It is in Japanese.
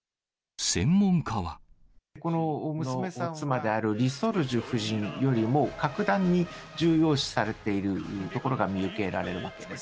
この娘さんは、妻であるリ・ソルジュ夫人よりも、格段に重要視されているところが見受けられるわけです。